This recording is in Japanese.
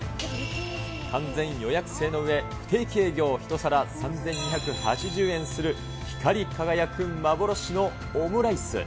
完全予約制のうえ、不定期営業、１皿３２８０円する光り輝く幻のオムライス。